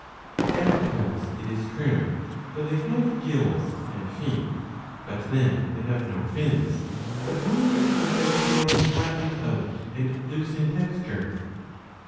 Tadpoles,' it is true, though they have gills, have feet; but then they have no fins, but merely have their tail flattened out and loose in texture.